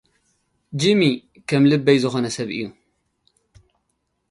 ጃሚ፡ ከም ልበይ ዝኾነ ሰብ እዩ።